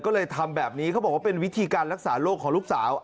ก็เลยทำแบบนี้เขาบอกว่าเป็นวิธีการรักษาโรคของลูกสาว